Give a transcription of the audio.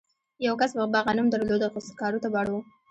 یوه کس به غنم درلودل خو سکارو ته به اړ و